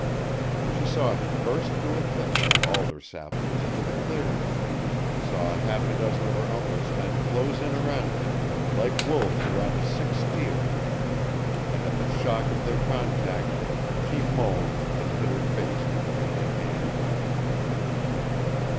She saw him burst through a thicket of alder saplings into the clearing, saw half a dozen of her uncle's men close in around him like wolves around a sick steer; and at the shock of their contact, she moaned and hid her face in her trembling hands.